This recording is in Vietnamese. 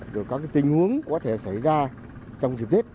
các cái tình hướng có thể xảy ra trong dịp tết